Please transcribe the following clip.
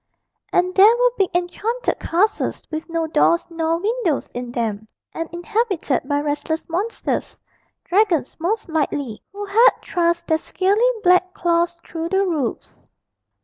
And there were big enchanted castles with no doors nor windows in them, and inhabited by restless monsters dragons most likely who had thrust their scaly black claws through the roofs.